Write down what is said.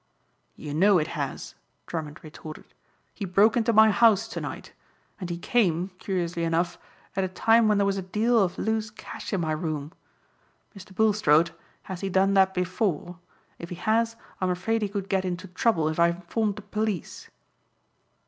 "You know it has," Drummond retorted. "He broke into my house to night. And he came, curiously enough, at a time when there was a deal of loose cash in my room. Mr. Bulstrode, has he done that before? If he has I'm afraid he could get into trouble if I informed the police."